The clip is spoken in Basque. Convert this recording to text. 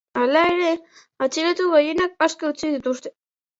Hala ere, atxilotu gehienak aske utzi dituzte.